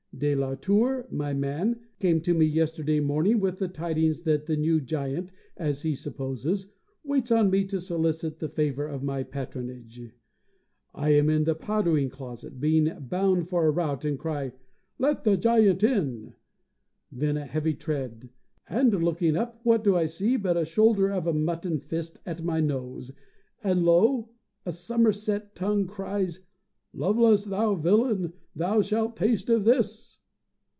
De la Tour, my man, came to me yesterday morning with the tidings that the New Giant, as he supposes, waits on me to solicit the favour of my patronage. I am in the powdering closet, being bound for a rout, and cry, "Let the Giant in!" Then a heavy tread: and, looking up, what do I see but a shoulder of mutton fist at my nose, and lo! a Somerset tongue cries, "Lovelace, thou villain, thou shalt taste of this!"